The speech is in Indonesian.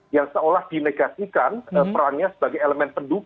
yang seolah dinegasikan perannya sebagai elemen pendukung